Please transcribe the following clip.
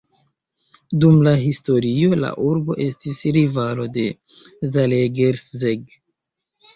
Dum la historio la urbo estis rivalo de Zalaegerszeg.